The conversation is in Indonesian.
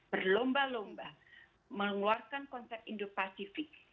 berlomba lomba mengeluarkan konsep indo pasifik